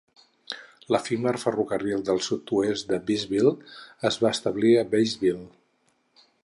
L'efímer Ferrocarril del sud-oest de Batesville es va establir a Batesville.